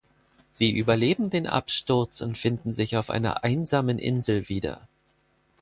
Sie überleben den Absturz und finden sich auf einer einsamen Insel wieder.